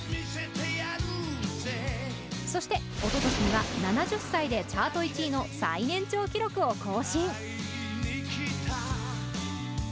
そしておととしには７０歳でチャート１位の最年長記録を更新。